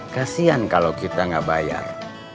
kasian kalau kita nggak bayar